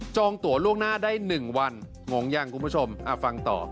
ตัวล่วงหน้าได้๑วันงงยังคุณผู้ชมฟังต่อ